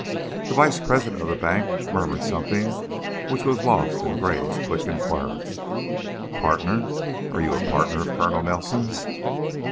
The vice president of the bank murmured something which was lost in Gray's quick inquiry: "Partner? Are you a partner of Colonel Nelson's?"